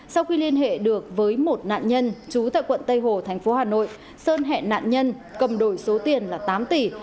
sau khi liên hệ được với một nạn nhân trú tại quận tây hồ thành phố hà nội sơn hẹn nạn nhân cầm đổi số tiền là tám tỷ